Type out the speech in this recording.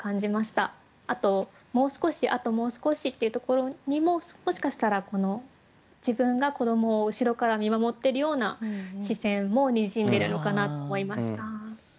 あと「もう少しあともう少し」っていうところにももしかしたらこの自分が子どもを後ろから見守っているような視線もにじんでるのかなと思いました。